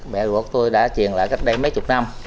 mẹ ruột tôi đã truyền lại cách đây mấy chục năm